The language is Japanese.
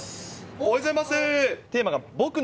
おはようございます。